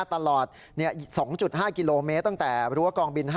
ตลอด๒๕กิโลเมตรตั้งแต่รั้วกองบิน๕